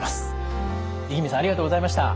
五十君さんありがとうございました。